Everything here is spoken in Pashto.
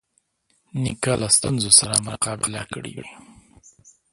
نیکه له ستونزو سره مقابله کړې وي.